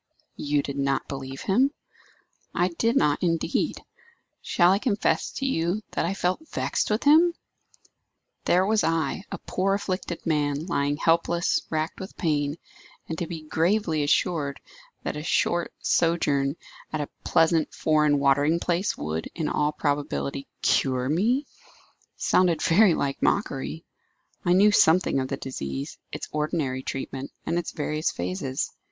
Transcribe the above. "You did not believe him?" "I did not, indeed. Shall I confess to you that I felt vexed with him? There was I, a poor afflicted man, lying helpless, racked with pain; and to be gravely assured that a short sojourn at a pleasant foreign watering place would, in all probability, cure me, sounded very like mockery. I knew something of the disease, its ordinary treatment, and its various phases.